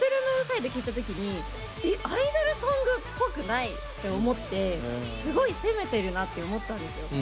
聴いた時にえっアイドルソングっぽくないって思ってすごい攻めてるなって思ったんですよ。